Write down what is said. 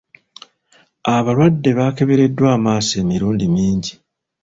Abalwadde baakebereddwa amaaso emirundi mingi.